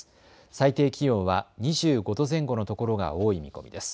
最低気温は２５度前後の所が多い見込みです。